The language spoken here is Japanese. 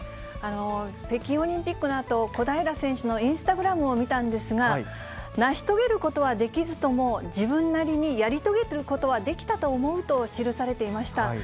北京オリンピックのあと、小平選手のインスタグラムを見たんですが、成し遂げることはできずとも、自分なりにやり遂げることはできたと思うと記されていました。